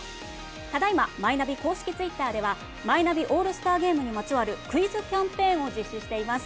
ただ今マイナビ公式ツイッターではマイナビオールスターゲームにまつわるクイズキャンペーンを実施しています。